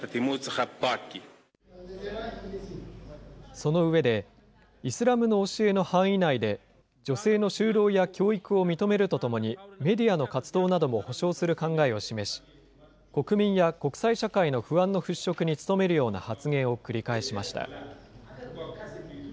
その上で、イスラムの教えの範囲内で、女性の就労や教育を認めるとともに、メディアの活動なども保障する考えを示し、国民や国際社会の不安の払拭に努めるような発言を繰り返しました。